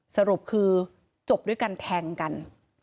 สรุปคือจบด้วยการแทงกัน